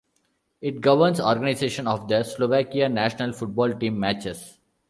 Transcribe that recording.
It governs organisation of the Slovakia national football team matches.